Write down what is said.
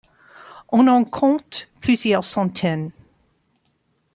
On en compte plusieurs centaines.